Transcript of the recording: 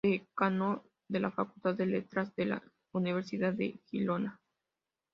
Decano de la Facultad de Letras de la Universidad de Girona.